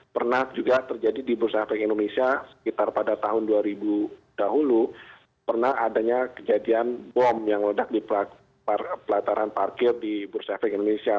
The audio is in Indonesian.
pernah juga terjadi di bursa efek indonesia sekitar pada tahun dua ribu dahulu pernah adanya kejadian bom yang ledak di pelataran parkir di bursa efek indonesia